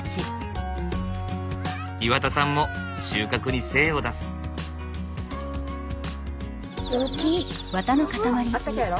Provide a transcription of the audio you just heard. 岩田さんも収穫に精を出す。大きい。